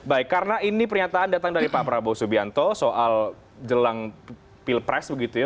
baik karena ini pernyataan datang dari pak prabowo subianto soal jelang pilpres begitu ya